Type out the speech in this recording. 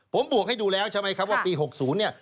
ผมบวกให้ดูแล้วใช่ไหมครับว่าปี๖๐เนี่ย